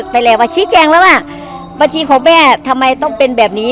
ไปแล้วว่าชี้แจงแล้วว่าบัญชีของแม่ทำไมต้องเป็นแบบนี้